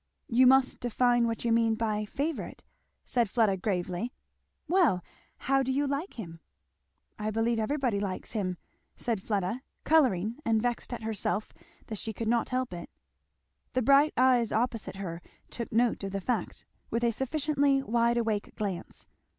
"You must define what you mean by a favourite?" said Fleda gravely. "Well, how do you like him?" "I believe everybody likes him," said Fleda, colouring and vexed at herself that she could not help it. The bright eyes opposite her took note of the fact with a sufficiently wide awake glance.